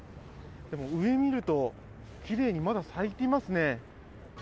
でも、上見ると、きれいにまだ咲いていますね。